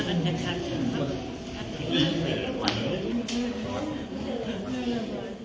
เราต้องกล่องแม่ต่ำออกไปอยู่ออกไป